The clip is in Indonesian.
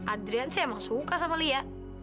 adrian sih emang suka sama lia